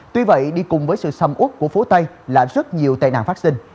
tuy vậy đi cùng với sự xâm út của phố tây là rất nhiều tệ nạn phát sinh